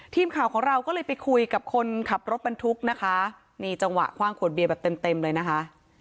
ทีมข่าวของเราก็เลยไปคุยกับคนขับรถบรรทุกนะคะนี่จังหวะคว่างขวดเบียร์แบบเต็มเต็มเลยนะคะ